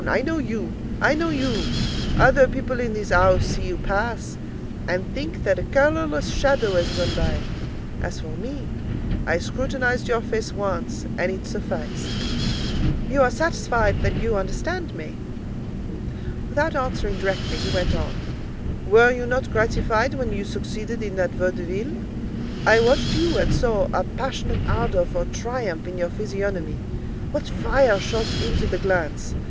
I know you! I know you! Other people in this house see you pass, and think that a colourless shadow has gone by. As for me, I scrutinized your face once, and it sufficed." "You are satisfied that you understand me?" Without answering directly, he went on, "Were you not gratified when you succeeded in that vaudeville? I watched you and saw a passionate ardour for triumph in your physiognomy. What fire shot into the glance!